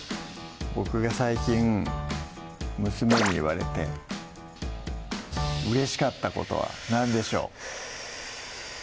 僕が最近娘に言われてうれしかったことは何でしょう？